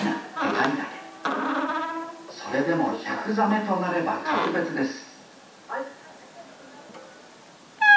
それでも１００座目となれば格別です